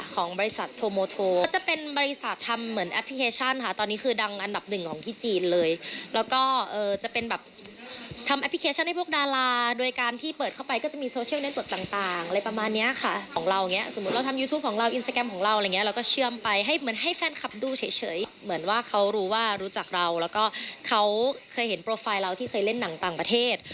เขาเคยเห็นโปรไฟล์เราที่เคยเล่นหนังต่างประเทศ